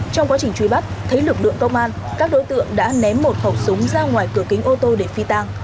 trong quá trình truy bắt thấy lực lượng công an các đối tượng đã ném một khẩu súng ra ngoài cửa kính ô tô để phi tang